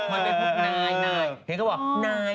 มาเรียนพี่นายนาย